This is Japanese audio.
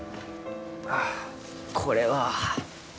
あこれは。